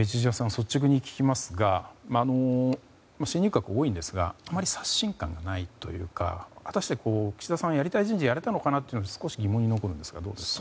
率直に聞きますが新入閣が多いですがあまり刷新感がないというか果たして、岸田さんはやりたい人事をやれたのかなと疑問に思うのですがどうでしょう。